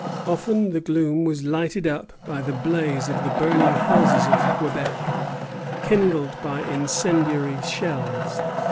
Often the gloom was lighted up by the blaze of the burning houses of Quebec, kindled by incendiary shells.